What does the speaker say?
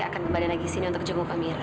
saya akan kembali lagi sini untuk jemput amira